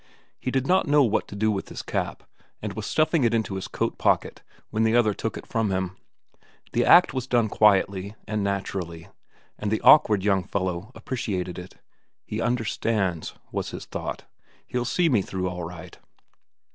He did not know what to do with his cap, and was stuffing it into his coat pocket when the other took it from him. The act was done quietly and naturally, and the awkward young fellow appreciated it. "He understands," was his thought. "He'll see me through all right."